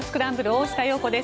大下容子です。